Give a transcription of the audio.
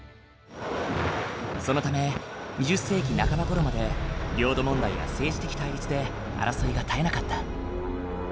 そのため２０世紀半ばごろまで領土問題や政治的対立で争いが絶えなかった。